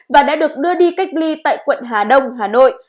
và đã được đưa đi cách ly tại quận hà đông hà nội